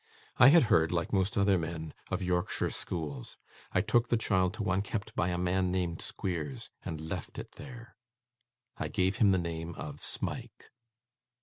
I had heard, like most other men, of Yorkshire schools. I took the child to one kept by a man named Squeers, and left it there. I gave him the name of Smike.